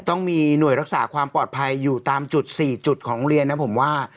ต้องมีหน่วยรักษาความปลอดภัยอยู่ตามจุด๔จุดของโรงเรียนนะผมว่า